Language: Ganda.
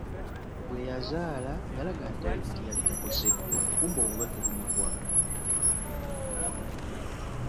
Bwe yazaala yalaga nti yali takoseddwa, kumbe obulwadde bumutwala!